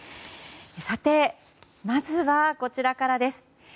さて、まずはこちらからです。